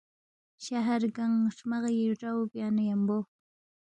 شہارن گنگ ہرمغی ڈراو بیانا یمبو